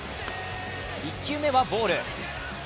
１球目はボール。